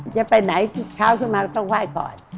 จะไปไหนทุกเช้าขึ้นมาก็ต้องไหว้ก่อน